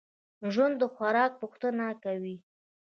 ژوندي د خوراک پوښتنه کوي